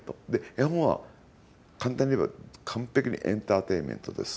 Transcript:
絵本は簡単に言えば完璧にエンターテインメントです。